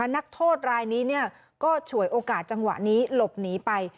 นักโทษรายนี้ก็ฉวยโอกาสจังหวะนี้หลบหนีไป